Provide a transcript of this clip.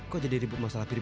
kok jadi ribut masalah pribadi